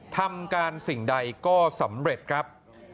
ทำการสิ่งใดก็สำเร็จครับ